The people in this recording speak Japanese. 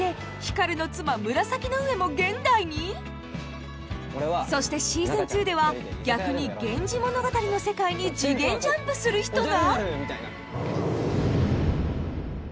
中将に続いてそしてしずん２では逆に「源氏物語」の世界に次元ジャンプする人が！？